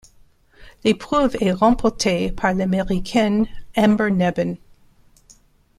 L'épreuve est remportée par l'Américaine Amber Neben.